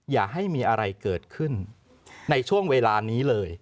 อย่าให้มีอะไรเกิดขึ้นในช่วงเวลานี้เลย